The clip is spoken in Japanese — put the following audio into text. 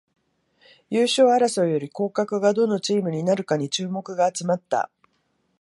優勝争いより降格がどのチームになるかに注目が集まった